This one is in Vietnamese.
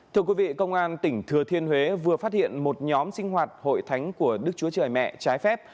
thưa quý vị công an tỉnh thừa thiên huế vừa phát hiện một nhóm sinh hoạt hội thánh của đức chúa trời mẹ trái phép